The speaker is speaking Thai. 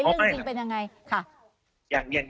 เรื่องจริงของใครเรื่องจริงเป็นยังไง